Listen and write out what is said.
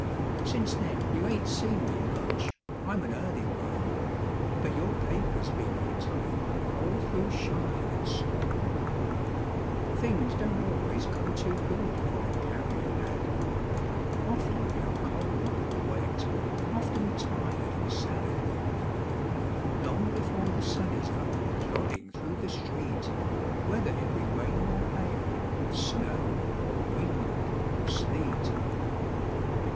Since then you ain't seen me much ; I'm an early worm. But your paper's been on time All through shine and storm. Things don't always come too good For a carrier lad. Often we are cold or wet, Often tired and sad. Long before the sun is up, Plodding through the street, Whether it be rain or hail, Snow or wind or sleet.